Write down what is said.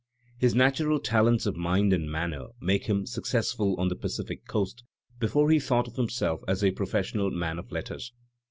His natural talents of mind and manner made him successful on the Pacific Coast before he thought of himself as a profes sional man of letters.